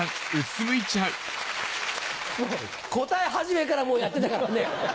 答え始めからもうやってたからね。